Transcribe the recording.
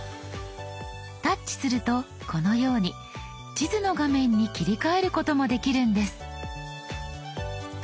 タッチするとこのように地図の画面に切り替えることもできるんです。